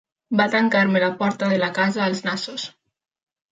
Va tancar-me la porta de la casa als nassos.